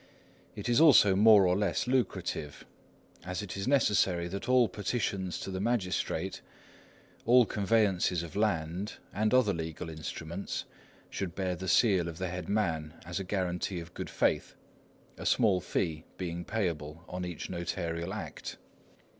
It is also more or less lucrative, as it is necessary that all petitions to the magistrate, all conveyances of land, and other legal instruments, should bear the seal of the head man, as a guarantee of good faith, a small fee being payable on each notarial act.